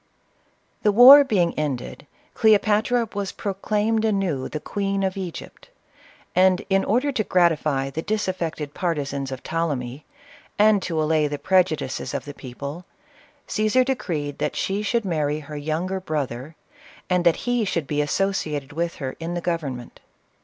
The war being ended, Cleopatra was proclaimed anew the queen of Egypt ; and in order to gratify the disaffected partisans of Ptolemy, and to allay the preju dices of the people, Caesar decreed that she should marry her younger brother, and that he should be as sociated with her in the government.